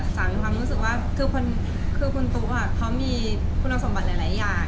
มีความรู้สึกว่าคือคุณตุ๊กเขามีคุณสมบัติหลายอย่าง